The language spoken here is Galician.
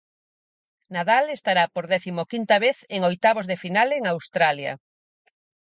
Nadal estará por décimo quinta vez en oitavos de final en Australia.